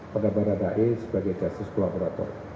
pada para dae sebagai justice collaborator